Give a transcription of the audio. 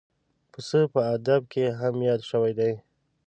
پسه په ادب کې هم یاد شوی دی.